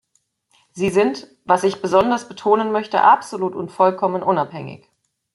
Sie sind, was ich besonders betonen möchte, absolut und vollkommen unabhängig.